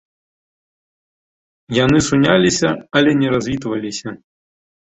Яны суняліся, але не развітваліся.